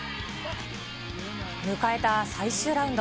迎えた最終ラウンド。